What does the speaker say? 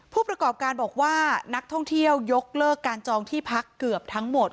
ผู้ประกอบการบอกว่านักท่องเที่ยวยกเลิกการจองที่พักเกือบทั้งหมด